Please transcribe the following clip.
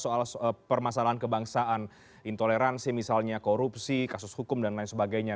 soal permasalahan kebangsaan intoleransi misalnya korupsi kasus hukum dan lain sebagainya